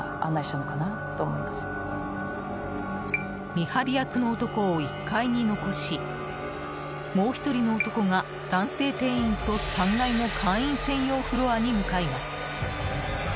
見張り役の男を１階に残しもう１人の男が男性店員と３階の会員専用フロアに向かいます。